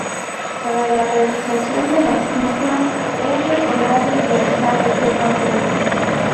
Para la realización de las mismas es recomendable realizar reserva previa.